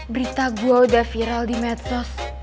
berita gue udah viral di medsos